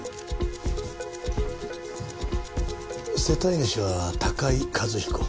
世帯主は高井和彦。